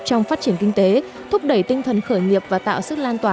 trong phát triển kinh tế thúc đẩy tinh thần khởi nghiệp và tạo sức lan tỏa